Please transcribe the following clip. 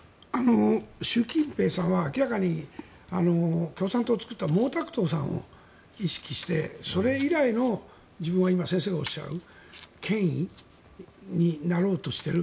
習近平さんは明らかに共産党を作った毛沢東さんを意識してそれ以来の、先生がおっしゃる権威になろうとしている。